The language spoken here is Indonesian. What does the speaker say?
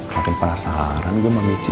makin penasaran gue sama michi